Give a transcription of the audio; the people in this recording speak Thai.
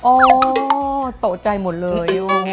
โอ้โหโตใจหมดเลย